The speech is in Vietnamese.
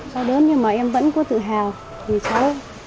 đau đớn nhưng mà em vẫn có tự hào vì cháu